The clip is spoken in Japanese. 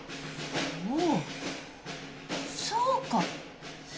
おおっそうか。